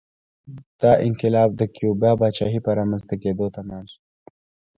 دا انقلاب د کیوبا پاچاهۍ په رامنځته کېدو تمام شو